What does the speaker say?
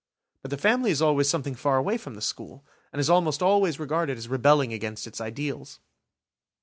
But the family is always something far away from the school, and is almost always regarded as rebelling against its ideals.